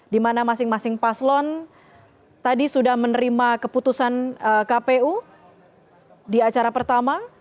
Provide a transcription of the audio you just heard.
di mana masing masing paslon tadi sudah menerima keputusan kpu di acara pertama